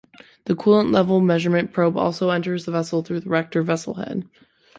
The coolant level measurement probe also enters the vessel through the reactor vessel head.